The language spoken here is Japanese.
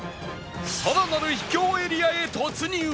更なる秘境エリアへ突入